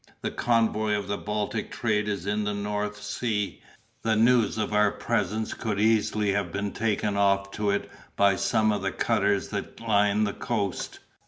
The convoy of the Baltic trade is in the North Sea, the news of our presence could easily have been taken off to it by some of the cutters that line the coast.